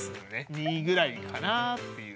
２ぐらいかなっていう。